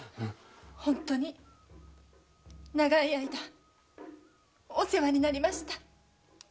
本当に長い間お世話になりました！